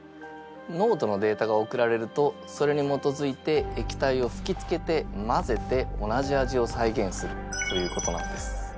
濃度のデータが送られるとそれに基づいて液体を吹きつけて混ぜて同じ味を再現するということなんです。